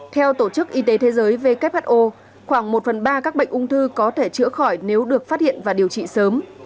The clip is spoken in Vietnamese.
theo tổ chức y tế thế giới who khoảng một phần ba các bệnh ung thư có thể chữa khỏi nếu được phát hiện và điều trị sớm